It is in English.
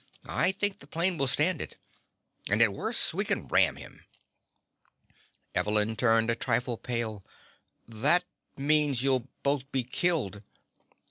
I think the plane will stand it. And at worst we can ram him." Evelyn turned a trifle pale. "That means you'll both be killed."